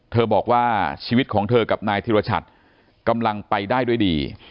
บอกว่าชีวิตของเธอกับนายธิรชัดกำลังไปได้ด้วยดี